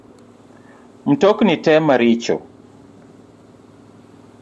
Mtokni te maricho